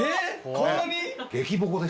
こんなに？